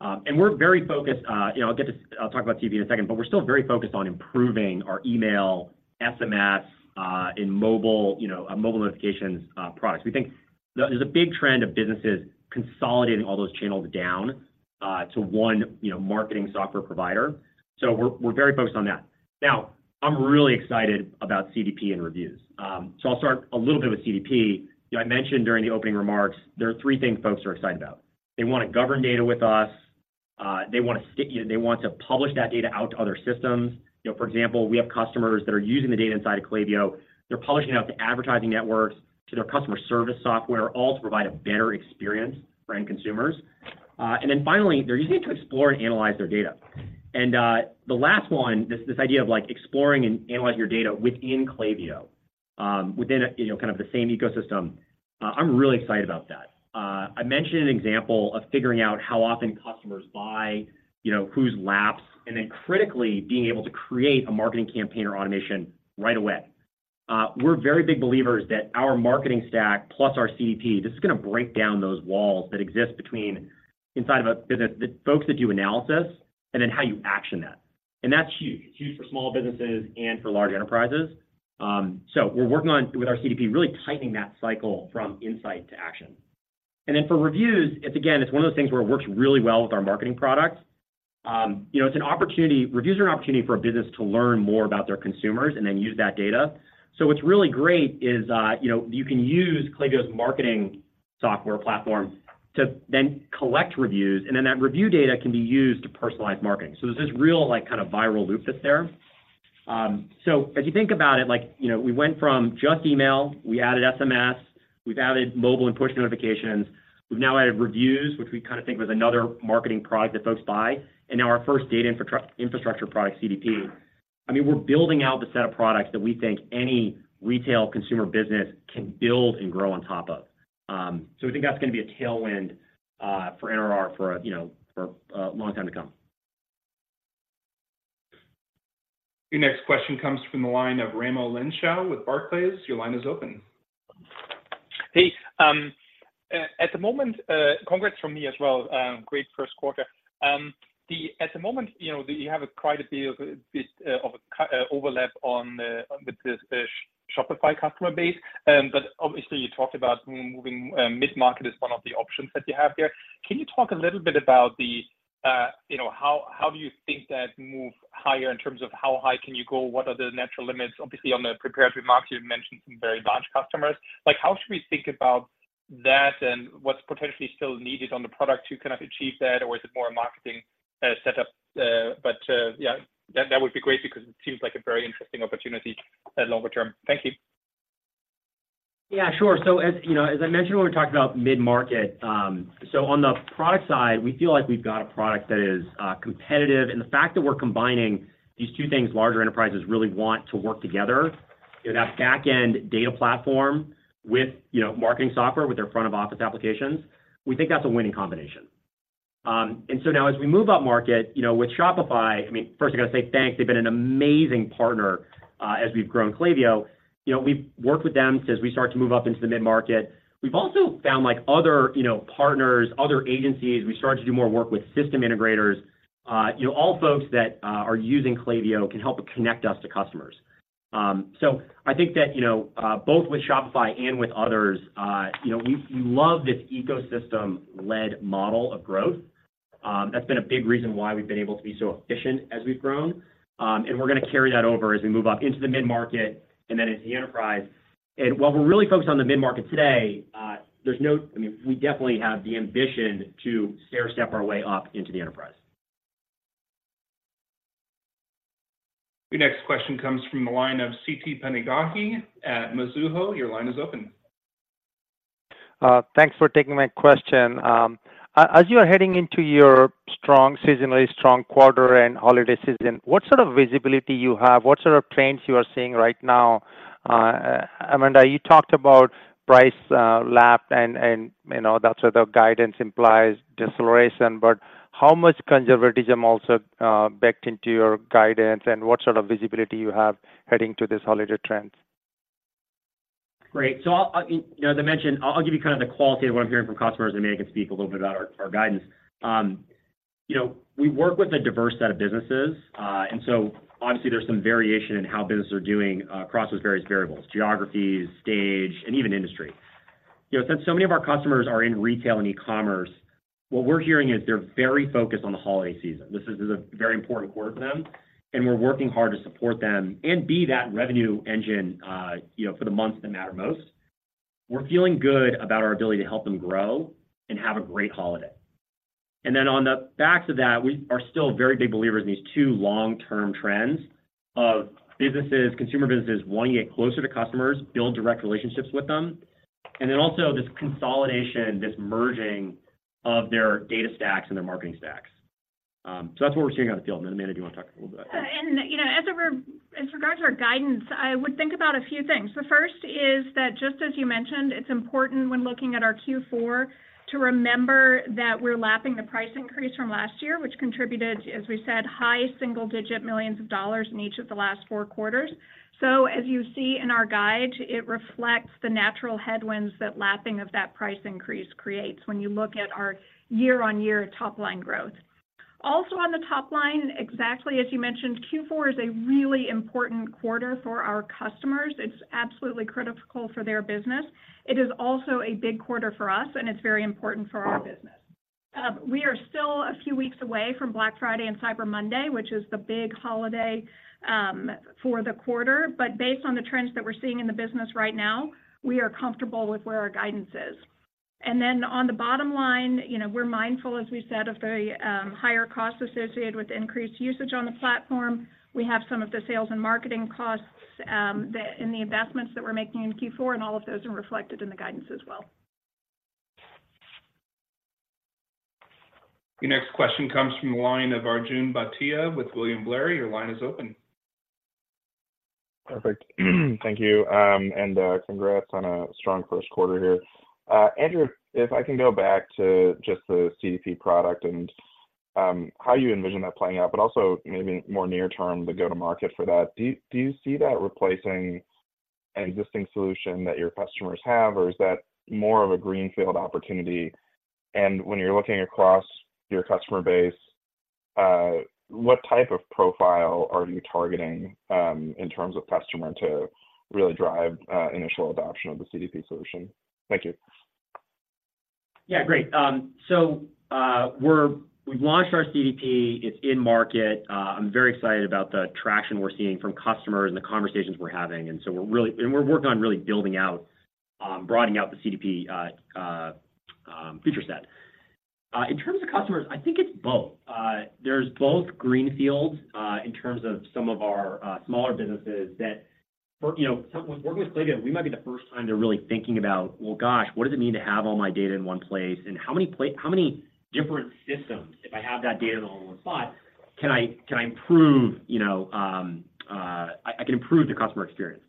And we're very focused, you know, I'll talk about CDP in a second, but we're still very focused on improving our email, SMS, and mobile, you know, mobile notifications products. We think there's a big trend of businesses consolidating all those channels down to one, you know, marketing software provider. So we're very focused on that. Now, I'm really excited about CDP and reviews. So I'll start a little bit with CDP. You know, I mentioned during the opening remarks, there are three things folks are excited about. They want to govern data with us. They want to, you know, publish that data out to other systems. You know, for example, we have customers that are using the data inside of Klaviyo. They're publishing it out to advertising networks, to their customer service software, all to provide a better experience for end consumers. And then finally, they're using it to explore and analyze their data. And the last one, this idea of like exploring and analyzing your data within Klaviyo, within a, you know, kind of the same ecosystem. I'm really excited about that. I mentioned an example of figuring out how often customers buy, you know, whose lapsed, and then critically being able to create a marketing campaign or automation right away. We're very big believers that our marketing stack plus our CDP, this is going to break down those walls that exist between inside of a business, the folks that do analysis and then how you action that, and that's huge. It's huge for small businesses and for large enterprises. So, we're working on, with our CDP, really tightening that cycle from insight to action. And then for reviews, it's again, it's one of those things where it works really well with our marketing products. You know, it's an opportunity, reviews are an opportunity for a business to learn more about their consumers and then use that data. So, what's really great is, you know, you can use Klaviyo's marketing software platform to then collect reviews, and then that review data can be used to personalize marketing. So there's this real, like, kind of viral loop that's there. So as you think about it, like, you know, we went from just email, we added SMS, we've added mobile and push notifications. We've now added reviews, which we kind of think was another marketing product that folks buy, and now our first data infrastructure product, CDP. I mean, we're building out the set of products that we think any retail consumer business can build and grow on top of. So we think that's going to be a tailwind for NRR, you know, for a long time to come. Your next question comes from the line of Raimo Lenschow with Barclays. Your line is open. Hey, at the moment, congrats from me as well, great first quarter. At the moment, you know, you have quite a bit of a overlap with the Shopify customer base. But obviously, you talked about moving mid-market as one of the options that you have here. Can you talk a little bit about the, you know, how do you think that move higher in terms of how high can you go? What are the natural limits? Obviously, on the prepared remarks, you've mentioned some very large customers. Like, how should we think about that and what's potentially still needed on the product to kind of achieve that, or is it more a marketing setup? But, yeah, that, that would be great because it seems like a very interesting opportunity at longer term. Thank you. Yeah, sure. So as, you know, as I mentioned when we talked about mid-market, so on the product side, we feel like we've got a product that is competitive. And the fact that we're combining these two things, larger enterprises really want to work together, you know, that back-end data platform with, you know, marketing software with their front-of-office applications, we think that's a winning combination. And so now as we move up market, you know, with Shopify, I mean, first, I got to say thanks. They've been an amazing partner as we've grown Klaviyo. You know, we've worked with them since we start to move up into the mid-market. We've also found, like, other, you know, partners, other agencies, we started to do more work with system integrators. You know, all folks that are using Klaviyo can help connect us to customers. So I think that, you know, both with Shopify and with others, you know, we, we love this ecosystem-led model of growth. That's been a big reason why we've been able to be so efficient as we've grown. And we're going to carry that over as we move up into the mid-market and then into the enterprise. And while we're really focused on the mid-market today, I mean, we definitely have the ambition to stairstep our way up into the enterprise. Your next question comes from the line of Siti Panigrahi at Mizuho. Your line is open. Thanks for taking my question. As you are heading into your strong, seasonally strong quarter and holiday season, what sort of visibility you have? What sort of trends you are seeing right now? Amanda, you talked about price lap and, and, you know, that sort of guidance implies deceleration, but how much conservatism also backed into your guidance, and what sort of visibility you have heading to this holiday trends? Great. So I'll, you know, as I mentioned, I'll give you kind of the qualitative of what I'm hearing from customers, and then I can speak a little bit about our guidance. You know, we work with a diverse set of businesses, and so obviously, there's some variation in how businesses are doing across those various variables: geographies, stage, and even industry. You know, since so many of our customers are in retail and e-commerce, what we're hearing is they're very focused on the holiday season. This is a very important quarter for them, and we're working hard to support them and be that revenue engine, you know, for the months that matter most. We're feeling good about our ability to help them grow and have a great holiday. And then on the backs of that, we are still very big believers in these two long-term trends of businesses, consumer businesses, wanting to get closer to customers, build direct relationships with them, and then also this consolidation, this merging of their data stacks and their marketing stacks. So that's what we're seeing out in the field. And then, Amanda, do you want to talk a little bit? And you know, as regards to our guidance, I would think about a few things. The first is that, just as you mentioned, it's important when looking at our Q4 to remember that we're lapping the price increase from last year, which contributed, as we said, high single-digit millions of dollars in each of the last four quarters. So, as you see in our guide, it reflects the natural headwinds that lapping of that price increase creates when you look at our year-on-year top line growth. Also on the top line, exactly as you mentioned, Q4 is a really important quarter for our customers. It's absolutely critical for their business. It is also a big quarter for us, and it's very important for our business. We are still a few weeks away from Black Friday and Cyber Monday, which is the big holiday for the quarter. But based on the trends that we're seeing in the business right now, we are comfortable with where our guidance is. And then on the bottom line, you know, we're mindful, as we said, of the higher costs associated with increased usage on the platform. We have some of the sales and marketing costs, the, and the investments that we're making in Q4, and all of those are reflected in the guidance as well. Your next question comes from the line of Arjun Bhatia with William Blair. Your line is open. Perfect. Thank you, and, congrats on a strong first quarter here. Andrew, if I can go back to just the CDP product and, how you envision that playing out, but also maybe more near term, the go-to-market for that. Do you see that replacing an existing solution that your customers have, or is that more of a greenfield opportunity? And when you're looking across your customer base, what type of profile are you targeting, in terms of customer to really drive, initial adoption of the CDP solution? Thank you. Yeah, great. So, we've launched our CDP. It's in market. I'm very excited about the traction we're seeing from customers and the conversations we're having. And so we're really working on really building out, broadening out the CDP feature set. In terms of customers, I think it's both. There's both greenfields, in terms of some of our smaller businesses that for, you know, some, working with Klaviyo, we might be the first time they're really thinking about: "Well, gosh, what does it mean to have all my data in one place? And how many different systems, if I have that data all in one spot, can I improve, you know, I can improve the customer experience?"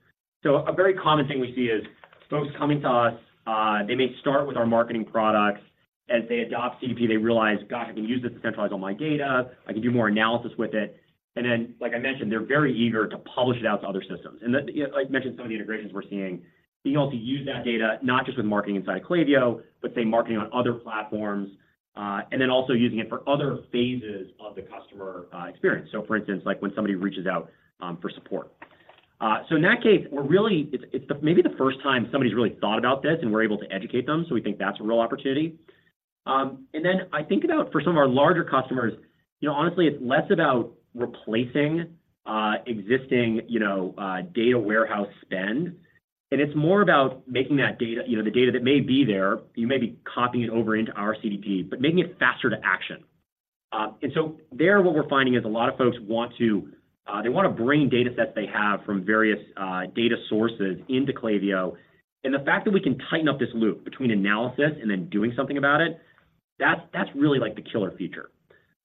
So a very common thing we see is folks coming to us, they may start with our marketing products. As they adopt CDP, they realize, "Gosh, I can use this to centralize all my data. I can do more analysis with it." And then, like I mentioned, they're very eager to publish it out to other systems. And, like I mentioned, some of the integrations we're seeing, being able to use that data, not just with marketing inside Klaviyo, but say, marketing on other platforms, and then also using it for other phases of the customer experience. So for instance, like when somebody reaches out for support. So in that case, we're really, it's the maybe the first time somebody's really thought about this, and we're able to educate them, so we think that's a real opportunity. And then I think about for some of our larger customers, you know, honestly, it's less about replacing existing, you know, data warehouse spend, and it's more about making that data, you know, the data that may be there, you may be copying it over into our CDP, but making it faster to action. And so there, what we're finding is a lot of folks want to, they want to bring data sets they have from various data sources into Klaviyo. And the fact that we can tighten up this loop between analysis and then doing something about it, that's really like the killer feature.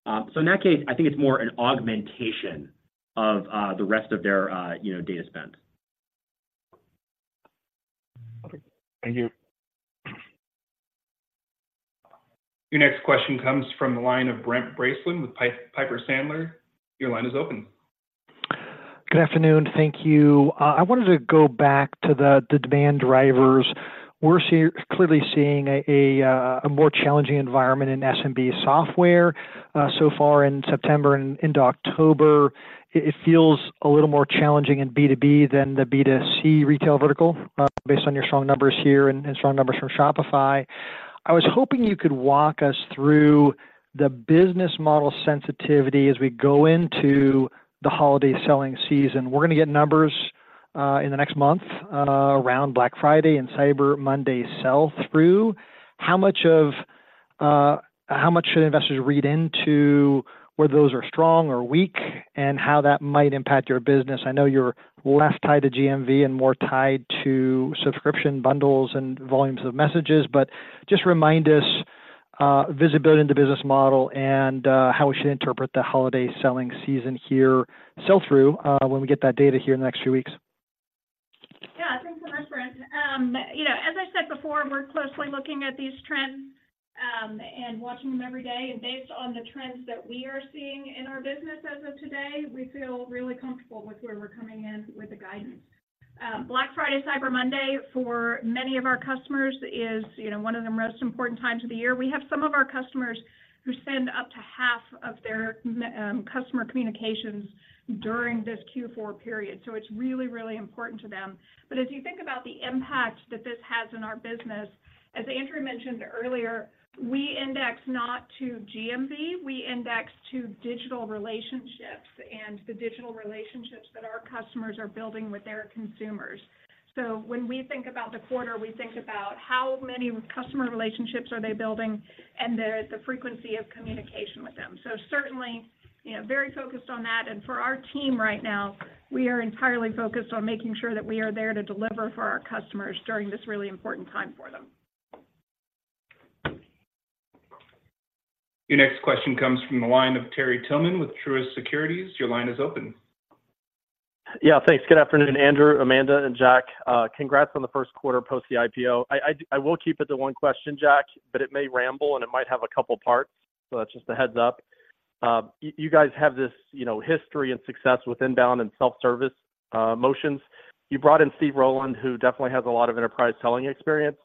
In that case, I think it's more an augmentation of the rest of their, you know, data spend. Okay. Thank you. Your next question comes from the line of Brent Bracelin with Piper Sandler. Your line is open. Good afternoon, thank you. I wanted to go back to the demand drivers. We're clearly seeing a more challenging environment in SMB software. So far in September and into October, it feels a little more challenging in B2B than the B2C retail vertical, based on your strong numbers here and strong numbers from Shopify. I was hoping you could walk us through the business model sensitivity as we go into the holiday selling season. We're gonna get numbers in the next month around Black Friday and Cyber Monday sell through. How much should investors read into whether those are strong or weak, and how that might impact your business? I know you're less tied to GMV and more tied to subscription bundles and volumes of messages, but just remind us, visibility into business model and, how we should interpret the holiday selling season here, sell through, when we get that data here in the next few weeks. Yeah, thanks so much, Brent. You know, as I said before, we're closely looking at these trends, and watching them every day. And based on the trends that we are seeing in our business, as of today, we feel really comfortable with where we're coming in with the guidance. Black Friday, Cyber Monday, for many of our customers, is, you know, one of the most important times of the year. We have some of our customers who send up to half of their customer communications during this Q4 period, so it's really, really important to them. But as you think about the impact that this has on our business, as Andrew mentioned earlier, we index not to GMV, we index to digital relationships and the digital relationships that our customers are building with their consumers. So when we think about the quarter, we think about how many customer relationships are they building and the frequency of communication. So certainly, you know, very focused on that. And for our team right now, we are entirely focused on making sure that we are there to deliver for our customers during this really important time for them. Your next question comes from the line of Terry Tillman with Truist Securities. Your line is open. Yeah, thanks. Good afternoon, Andrew, Amanda, and Jack. Congrats on the first quarter post the IPO. I will keep it to one question, Jack, but it may ramble, and it might have a couple parts, so that's just a heads up. You guys have this, you know, history and success with inbound and self-service motions. You brought in Steve Rowland, who definitely has a lot of enterprise selling experience.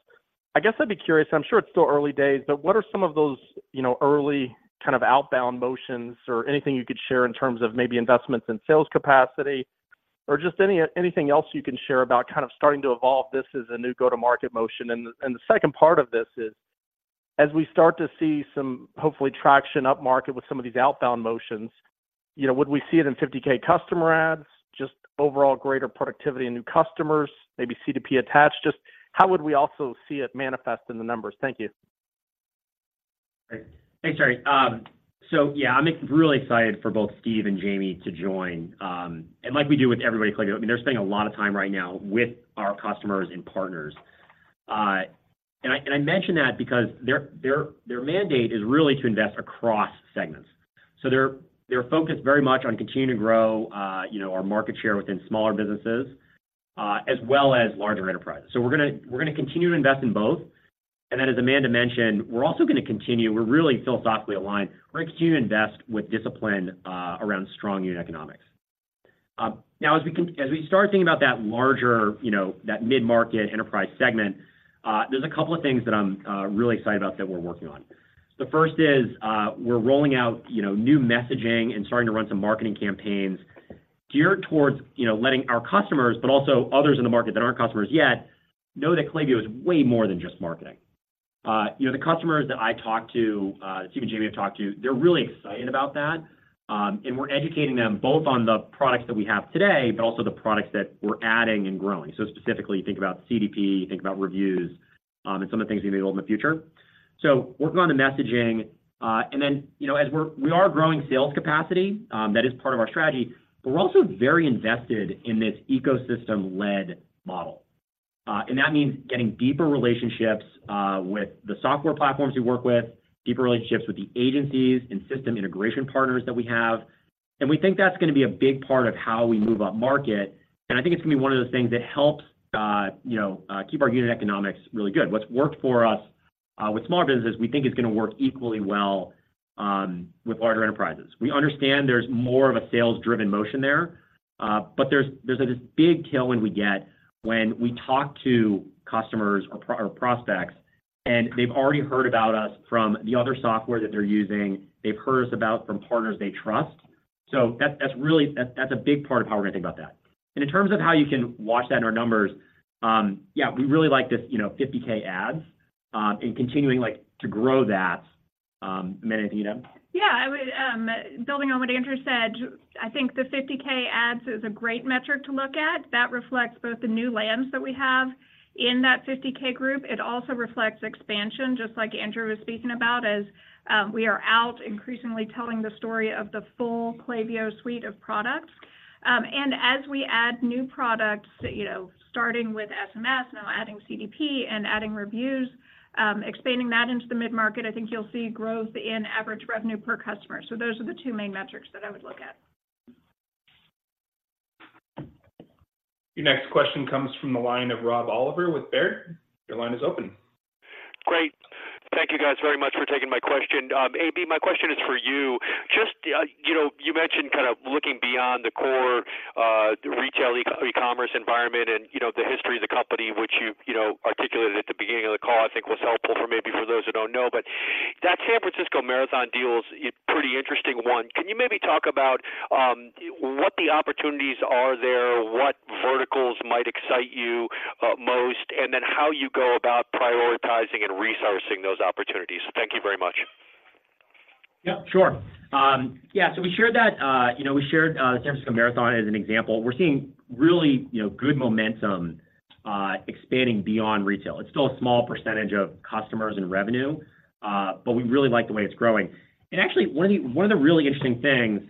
I guess I'd be curious. I'm sure it's still early days, but what are some of those, you know, early kind of outbound motions or anything you could share in terms of maybe investments in sales capacity? Or just anything else you can share about kind of starting to evolve this as a new go-to-market motion. And the second part of this is, as we start to see some, hopefully, traction upmarket with some of these outbound motions, you know, would we see it in 50K customer ads, just overall greater productivity in new customers, maybe CDP attached? Just how would we also see it manifest in the numbers? Thank you. Great. Thanks, Terry. So yeah, I'm really excited for both Steve and Jamie to join. And like we do with everybody at Klaviyo, I mean, they're spending a lot of time right now with our customers and partners. And I mention that because their mandate is really to invest across segments. So, they're focused very much on continuing to grow, you know, our market share within smaller businesses, as well as larger enterprises. So, we're gonna continue to invest in both. And then, as Amanda mentioned, we're also gonna continue, we're really philosophically aligned. We're gonna continue to invest with discipline, around strong unit economics. Now, as we start thinking about that larger, you know, that mid-market enterprise segment, there's a couple of things that I'm really excited about that we're working on. The first is, we're rolling out, you know, new messaging and starting to run some marketing campaigns geared towards, you know, letting our customers, but also others in the market that aren't customers yet, know that Klaviyo is way more than just marketing. You know, the customers that I talk to, Steve and Jamie have talked to, they're really excited about that. And we're educating them both on the products that we have today, but also the products that we're adding and growing. So specifically, think about CDP, think about reviews, and some of the things we may build in the future. So working on the messaging, and then, you know, as we are growing sales capacity, that is part of our strategy, but we're also very invested in this ecosystem-led model. And that means getting deeper relationships with the software platforms we work with, deeper relationships with the agencies and system integration partners that we have, and we think that's gonna be a big part of how we move upmarket, and I think it's gonna be one of those things that helps, you know, keep our unit economics really good. What's worked for us with small businesses, we think is gonna work equally well with larger enterprises. We understand there's more of a sales-driven motion there, but there's this big tailwind we get when we talk to customers or prospects, and they've already heard about us from the other software that they're using. They've heard about us from partners they trust. So that's really a big part of how we're gonna think about that. And in terms of how you can watch that in our numbers, yeah, we really like this, you know, 50K ads, and continuing, like, to grow that. Amanda, anything to add? Yeah, I would, building on what Andrew said, I think the 50K ads is a great metric to look at. That reflects both the new lands that we have in that 50K group. It also reflects expansion, just like Andrew was speaking about, as we are out increasingly telling the story of the full Klaviyo suite of products. And as we add new products, you know, starting with SMS, now adding CDP and adding reviews, expanding that into the mid-market, I think you'll see growth in average revenue per customer. So those are the two main metrics that I would look at. Your next question comes from the line of Rob Oliver with Baird. Your line is open. Great. Thank you guys very much for taking my question. AB, my question is for you. Just, you know, you mentioned kind of looking beyond the core retail e-commerce environment and, you know, the history of the company, which you, you know, articulated at the beginning of the call, I think was helpful for maybe for those who don't know. But that San Francisco Marathon deal is a pretty interesting one. Can you maybe talk about what the opportunities are there, what verticals might excite you most, and then how you go about prioritizing and resourcing those opportunities? Thank you very much. Yeah, sure. Yeah, so we shared that, you know, we shared the San Francisco Marathon as an example. We're seeing really, you know, good momentum expanding beyond retail. It's still a small percentage of customers and revenue, but we really like the way it's growing. And actually, one of the really interesting things,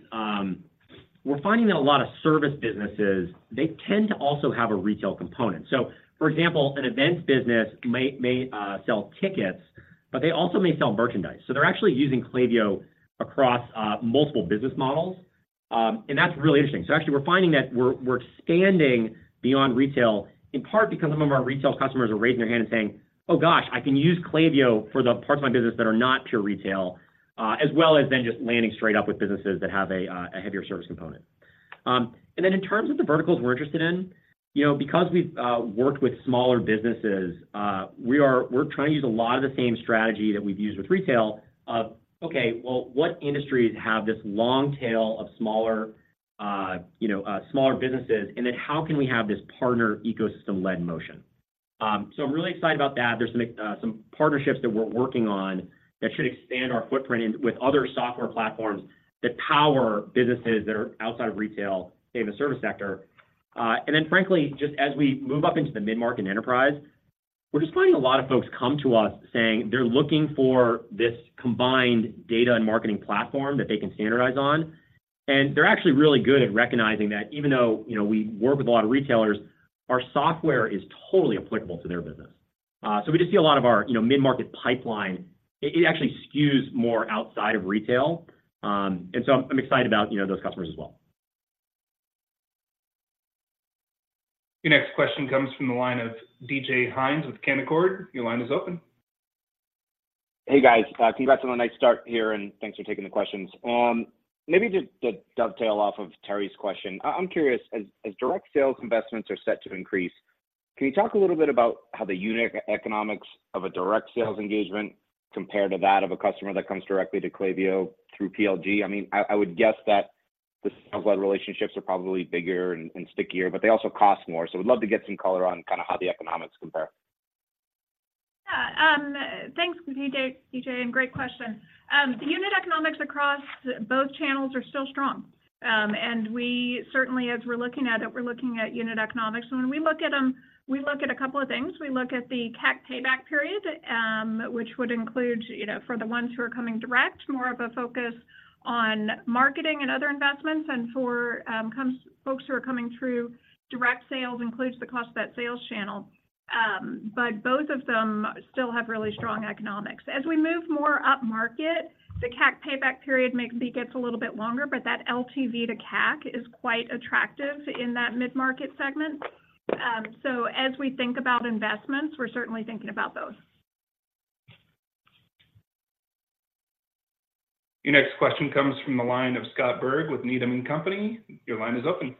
we're finding that a lot of service businesses, they tend to also have a retail component. So, for example, an events business may sell tickets, but they also may sell merchandise. So they're actually using Klaviyo across multiple business models, and that's really interesting. So actually, we're finding that we're expanding beyond retail, in part because some of our retail customers are raising their hand and saying, "Oh, gosh, I can use Klaviyo for the parts of my business that are not pure retail," as well as then just landing straight up with businesses that have a heavier service component. And then in terms of the verticals we're interested in, you know, because we've worked with smaller businesses, we're trying to use a lot of the same strategy that we've used with retail of, okay, well, what industries have this long tail of smaller, you know, smaller businesses, and then how can we have this partner ecosystem-led motion? So I'm really excited about that. There's some partnerships that we're working on that should expand our footprint in with other software platforms that power businesses that are outside of retail, in the service sector. And then frankly, just as we move up into the mid-market enterprise. We're just finding a lot of folks come to us saying they're looking for this combined data and marketing platform that they can standardize on, and they're actually really good at recognizing that even though, you know, we work with a lot of retailers, our software is totally applicable to their business. So, we just see a lot of our, you know, mid-market pipeline, it actually skews more outside of retail. And so, I'm excited about, you know, those customers as well. Your next question comes from the line of DJ Hynes with Canaccord. Your line is open. Hey, guys. Congrats on the nice start here, and thanks for taking the questions. Maybe just to dovetail off of Terry's question, I'm curious, as direct sales investments are set to increase, can you talk a little bit about how the unique economics of a direct sales engagement compare to that of a customer that comes directly to Klaviyo through PLG? I mean, I would guess that the sales-led relationships are probably bigger and stickier, but they also cost more. So I'd love to get some color on kinda how the economics compare. Yeah. Thanks, DJ, DJ, and great question. The unit economics across both channels are still strong. And we certainly, as we're looking at it, we're looking at unit economics. When we look at them, we look at a couple of things. We look at the CAC payback period, which would include, you know, for the ones who are coming direct, more of a focus on marketing and other investments, and for, folks who are coming through direct sales, includes the cost of that sales channel. But both of them still have really strong economics. As we move more up market, the CAC payback period may get a little bit longer, but that LTV to CAC is quite attractive in that mid-market segment. So as we think about investments, we're certainly thinking about those. Your next question comes from the line of Scott Berg with Needham & Company. Your line is open.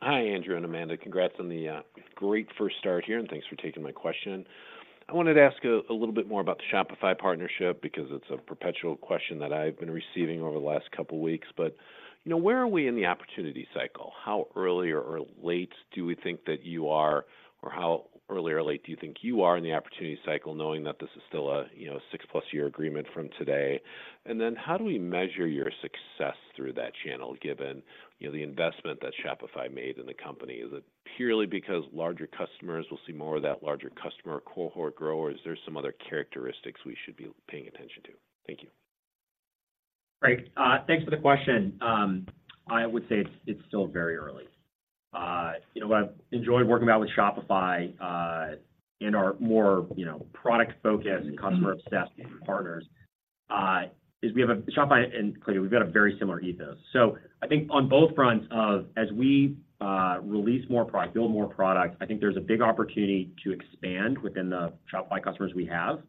Hi, Andrew and Amanda. Congrats on the great first start here, and thanks for taking my question. I wanted to ask a little bit more about the Shopify partnership, because it's a perpetual question that I've been receiving over the last couple of weeks. But, you know, where are we in the opportunity cycle? How early or late do we think that you are, or how early or late do you think you are in the opportunity cycle, knowing that this is still a, you know, six plus year agreement from today? And then, how do we measure your success through that channel, given, you know, the investment that Shopify made in the company? Is it purely because larger customers will see more of that larger customer cohort grow, or is there some other characteristics we should be paying attention to? Thank you. Great. Thanks for the question. I would say it's, it's still very early. You know, what I've enjoyed working about with Shopify, and are more, you know, product-focused and customer-obsessed partners, is we have a Shopify and Klaviyo, we've got a very similar ethos. So I think on both fronts of as we, release more product, build more products, I think there's a big opportunity to expand within the Shopify customers we have,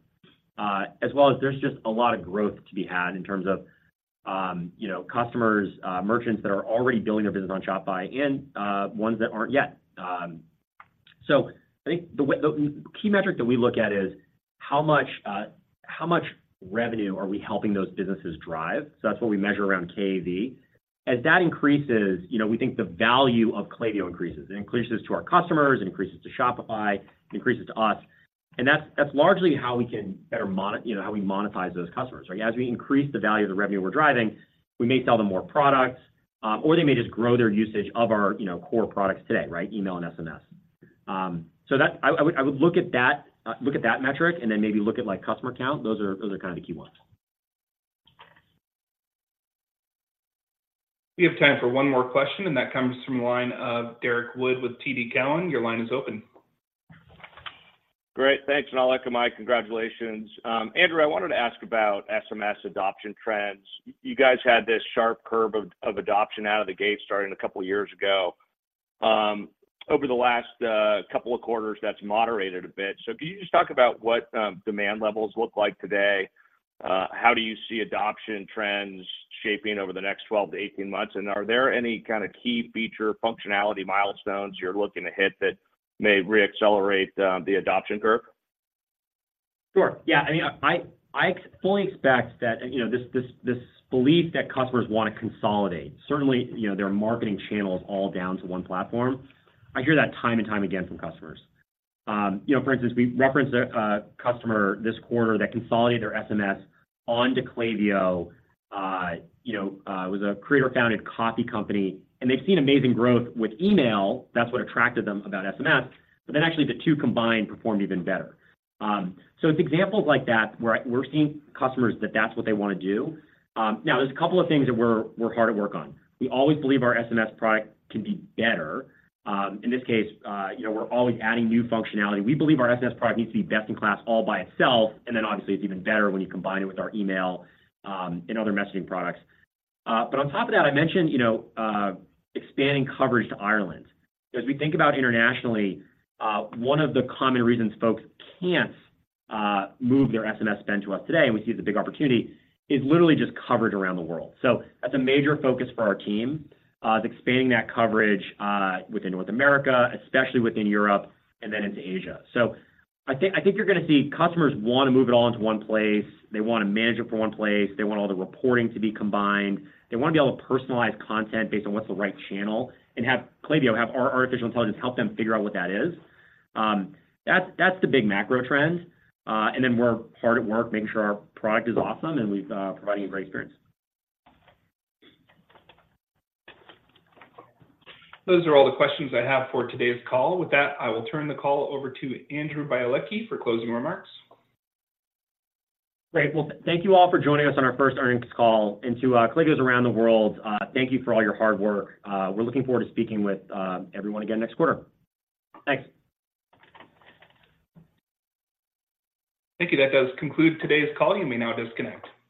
as well as there's just a lot of growth to be had in terms of, you know, customers, merchants that are already building their business on Shopify and, ones that aren't yet. So I think the way the key metric that we look at is how much, how much revenue are we helping those businesses drive? So that's what we measure around KAV. As that increases, you know, we think the value of Klaviyo increases. It increases to our customers, it increases to Shopify, it increases to us, and that's, that's largely how we can better monetize those customers. Right? As we increase the value of the revenue we're driving, we may sell them more products, or they may just grow their usage of our, you know, core products today, right? Email and SMS. So I would look at that metric and then maybe look at, like, customer count. Those are, those are kinda the key ones. We have time for one more question, and that comes from the line of Derrick Wood with TD Cowen. Your line is open. Great. Thanks, and aloha amai. Congratulations. Andrew, I wanted to ask about SMS adoption trends. You guys had this sharp curve of adoption out of the gate starting a couple of years ago. Over the last couple of quarters, that's moderated a bit. So can you just talk about what demand levels look like today? How do you see adoption trends shaping over the next 12-18 months, and are there any kind of key feature functionality milestones you're looking to hit that may reaccelerate the adoption curve? Sure. Yeah, I mean, I fully expect that, you know, this belief that customers want to consolidate, certainly, you know, their marketing channels all down to one platform. I hear that time and time again from customers. You know, for instance, we referenced a customer this quarter that consolidated their SMS onto Klaviyo. It was a creator-founded coffee company, and they've seen amazing growth with email. That's what attracted them about SMS, but then actually, the two combined performed even better. So it's examples like that where we're seeing customers that that's what they want to do. Now, there's a couple of things that we're hard at work on. We always believe our SMS product can be better. In this case, you know, we're always adding new functionality. We believe our SMS product needs to be best in class all by itself, and then obviously, it's even better when you combine it with our email, and other messaging products. But on top of that, I mentioned, you know, expanding coverage to Ireland. As we think about internationally, one of the common reasons folks can't move their SMS spend to us today, and we see the big opportunity, is literally just coverage around the world. So that's a major focus for our team, is expanding that coverage, within North America, especially within Europe, and then into Asia. So, I think, I think you're gonna see customers want to move it all into one place. They want to manage it from one place. They want all the reporting to be combined. They want to be able to personalize content based on what's the right channel, and have Klaviyo, have our artificial intelligence help them figure out what that is. That's, that's the big macro trend. And then we're hard at work making sure our product is awesome and we've providing a great experience. Those are all the questions I have for today's call. With that, I will turn the call over to Andrew Bialecki for closing remarks. Great. Well, thank you all for joining us on our first earnings call, and to Klaviyos around the world, thank you for all your hard work. We're looking forward to speaking with everyone again next quarter. Thanks. Thank you. That does conclude today's call. You may now disconnect.